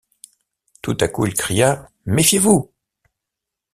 Tout à coup il cria: — Méfiez-vous!